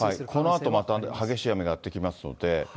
このあとまた激しい雨やって来ますので。